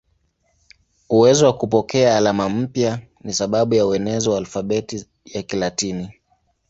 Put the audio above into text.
Uwezo wa kupokea alama mpya ni sababu ya uenezi wa alfabeti ya Kilatini.